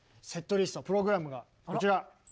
セットリストプログラムがこちら。